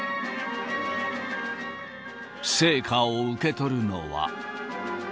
聖火を受け取るのは。